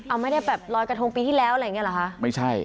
เอาไม่ได้แบบลอยกระทงปีที่แล้วอะไรอย่างเงี้เหรอคะไม่ใช่